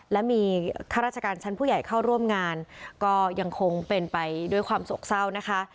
และมีข้าราชการชั้นผู้ใหญ่เข้าร่วมงานก็ยังคงเป็นไปด้วยความโศกเศร้านะคะ